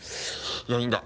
いやいいんだ。